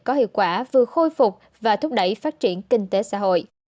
có hiệu quả vừa khôi phục và thúc đẩy phát triển kinh tế xã hội